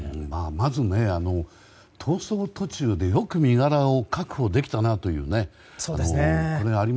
まずね、逃走途中でよく身柄を確保できたなとこれは